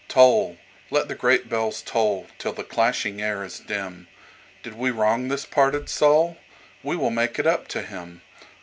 Toll! Let the great bells tollTill the clashing air is dim, Did we wrong this parted soul? We will make it up to him.